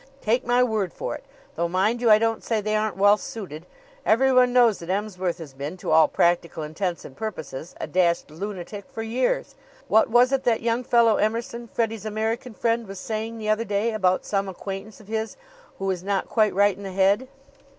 "Take my word for it! Though, mind you, I don't say they aren't well suited. Everyone knows that Emsworth has been, to all practical intents and purposes, a dashed lunatic for years. What was it that young fellow Emerson, Freddie's American friend, was saying, the other day about some acquaintance of his who is not quite right in the head?